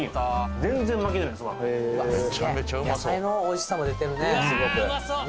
すげえ野菜のおいしさも出てるね